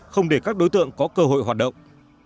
không để các đối tượng có cơ hội hoạt động